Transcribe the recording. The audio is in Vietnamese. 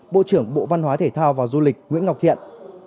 bộ trưởng bộ văn hóa thể thao và du lịch nguyễn ngọc thiện